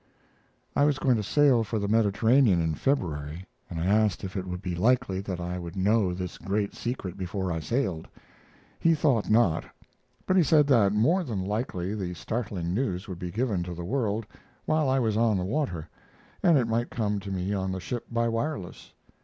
I was going to sail for the Mediterranean in February, and I asked if it would be likely that I would know this great secret before I sailed. He thought not; but he said that more than likely the startling news would be given to the world while I was on the water, and it might come to me on the ship by wireless.